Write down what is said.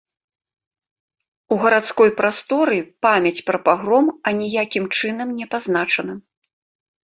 У гарадской прасторы памяць пра пагром аніякім чынам не пазначана.